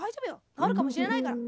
なおるかもしれないから。